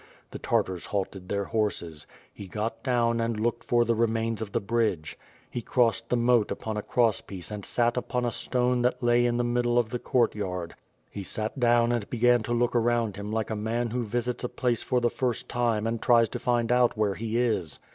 The Tartars halted their horses; he got down and looked for the remains of the bridge, lie crossed the moat upon a cross piece and sat upon a stone that lay in the middle of the courtyard. He sat down and began to look around hira like a man who visits a place for the first time and tries to find out where he is.